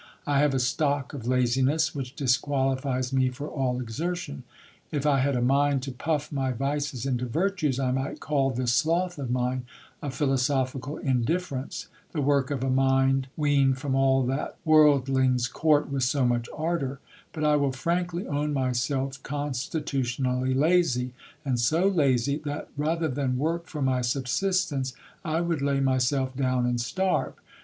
I have a stock of laziness, which disqualifies me for all exertion. If I had a mind to puff my vices into virtues, I might call this sloth of mine a philosophical indifference, the work of a mind weaned from all that worldlings court with so much ardour ; but I will frankly own myself con stitutionally lazy, and so lazy, that rather than work for my subsistence, I would lay myself down and starve.